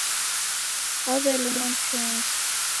Wawelumwa ni chongo